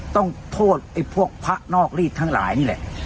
ต้องโทษไอ้พวกพระนอกรีดทั้งหลายนี่แหละ